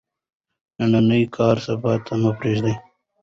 نننی کار سبا ته مه پریږدئ.